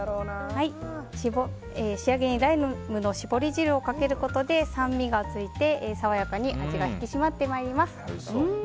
仕上げにライムの搾り汁をかけることで酸味がついて爽やかに味が引き締まってまいります。